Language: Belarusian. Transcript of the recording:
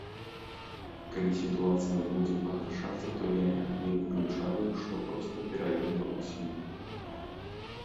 Калі сітуацыя будзе пагаршацца, то я не выключаю, што проста пераеду адсюль.